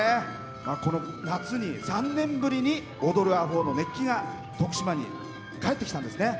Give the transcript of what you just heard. この夏に３年ぶりに「踊る阿呆」の熱気が徳島に帰ってきたんですね。